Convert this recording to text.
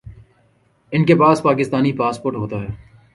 انکے پاس پاکستانی پاسپورٹ ہوتا ہے